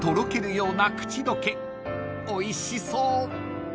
［おいしそう］